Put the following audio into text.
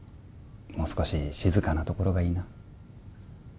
もう少し静かなところがいいな